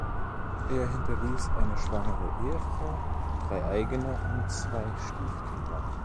Er hinterließ eine schwangere Ehefrau, drei eigene und zwei Stiefkinder.